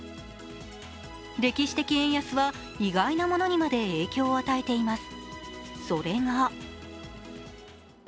歴史的円安は意外なものにまで影響を与えています。